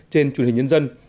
trên truyền hình nhân dân